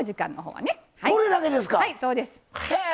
はいそうです。へえ！